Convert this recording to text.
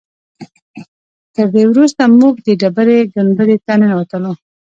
تر دې وروسته موږ د ډبرې ګنبدې ته ننوتلو.